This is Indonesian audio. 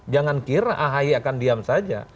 jangan kira ahi akan diam saja